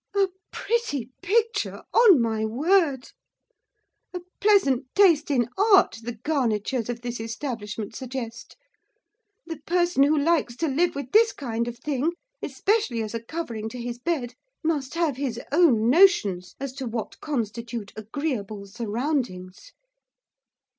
'A pretty picture, on my word! A pleasant taste in art the garnitures of this establishment suggest! The person who likes to live with this kind of thing, especially as a covering to his bed, must have his own notions as to what constitute agreeable surroundings.